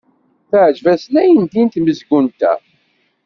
Teɛjeb-asen ayendin tmezgunt-a.